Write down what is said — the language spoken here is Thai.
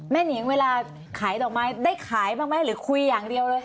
หนิงเวลาขายดอกไม้ได้ขายบ้างไหมหรือคุยอย่างเดียวเลย